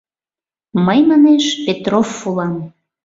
— Мый, манеш, Петрофф улам.